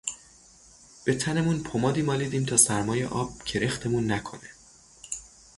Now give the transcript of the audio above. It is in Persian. به تنمون پمادی مالیدیم تا سرمای آب کرختمون نکنه